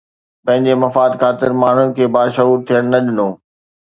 پنهنجي مفاد خاطر ماڻهن کي باشعور ٿيڻ نه ڏنو